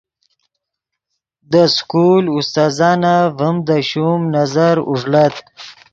دے سکول استاذانف ڤیم دے شوم نظر اوݱڑت